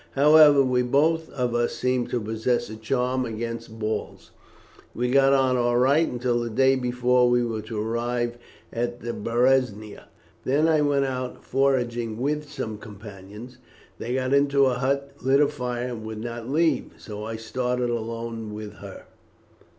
However, we both of us seemed to possess a charm against balls. We got on all right until the day before we were to arrive at the Berezina. Then I went out foraging with some companions; they got into a hut, lit a fire, and would not leave, so I started alone with her.